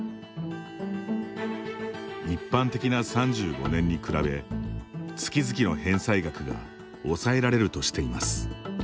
一般的な３５年に比べ月々の返済額が抑えられるとしています。